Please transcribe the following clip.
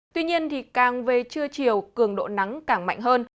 tuy nhiên càng về trưa chiều cường độ nắng càng mạnh hơn